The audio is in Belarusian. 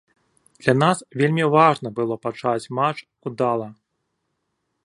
Для нас вельмі важна было пачаць матч удала.